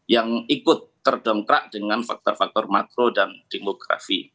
yang ikut terdongkrak dengan faktor faktor makro dan demografi